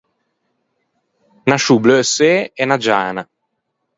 Unna sciô bleuçê e unna giana.